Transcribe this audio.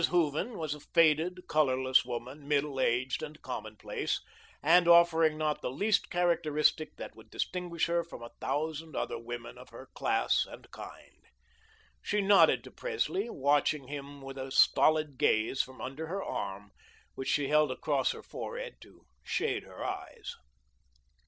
Hooven was a faded, colourless woman, middle aged and commonplace, and offering not the least characteristic that would distinguish her from a thousand other women of her class and kind. She nodded to Presley, watching him with a stolid gaze from under her arm, which she held across her forehead to shade her eyes.